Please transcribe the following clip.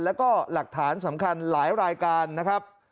แล้วก็หลักฐานสำคัญหลายรายการนะครับ